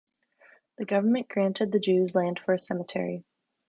The government granted the Jews land for a cemetery.